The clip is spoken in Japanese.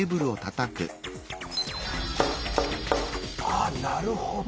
あなるほど！